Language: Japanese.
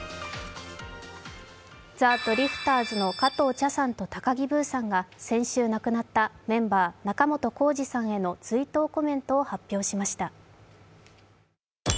ザ・ドリフターズの加藤茶さんと高木ブーさんが先週亡くなったメンバー、仲本工事さんへの追悼コメントを発表しました。